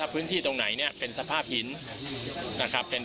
พื้นที่ตรงไหนเนี่ยเป็นสภาพหิน